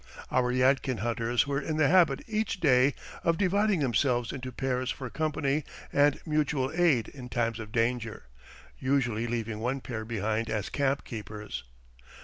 Our Yadkin hunters were in the habit, each day, of dividing themselves into pairs for company and mutual aid in times of danger, usually leaving one pair behind as camp keepers.